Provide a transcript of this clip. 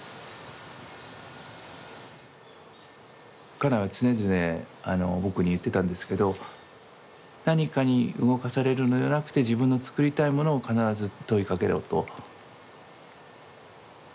家内は常々僕に言ってたんですけど何かに動かされるのではなくて自分の作りたいものを必ず問いかけろと。